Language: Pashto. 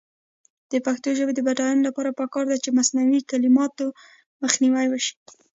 د پښتو ژبې د بډاینې لپاره پکار ده چې مصنوعي کلمات مخنیوی شي.